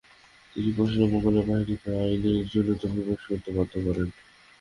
তিনি কৌশলে মঙ্গোল বাহিনীকে আইনে জালুতে প্রবেশ করতে বাধ্য করেন।